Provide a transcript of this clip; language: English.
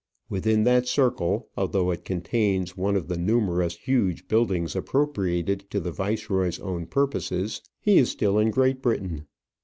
Within that circle, although it contains one of the numerous huge buildings appropriated to the viceroy's own purposes, he is still in Great Britain.